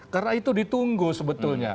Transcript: karena itu ditunggu sebetulnya